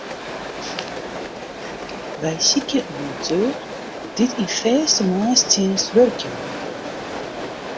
Wy sykje in monteur dy't yn fêste moarnstsjinst wurkje wol.